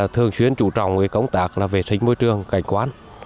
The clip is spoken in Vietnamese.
thường xuyên chủ trọng công tác là vệ sinh môi trường cảnh quán